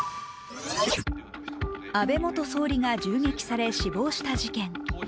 安倍元総理が銃撃され死亡した事件。